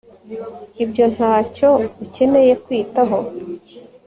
Ibyo ntacyo ukeneye kwitaho